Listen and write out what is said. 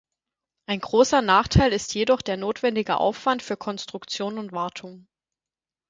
Ein großer Nachteil ist jedoch der notwendige Aufwand für Konstruktion und Wartung.